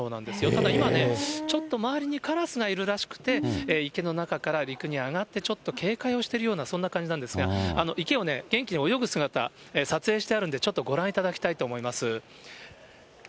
ただいまね、ちょっと周りにカラスがいるらしくて、池の中から陸に上がって、ちょっと警戒をしてるようなそんな感じなんですが、池を元気に泳ぐ姿、撮影してあるんで、ちょっとご覧いただきたいと思います。